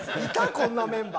こんなメンバー。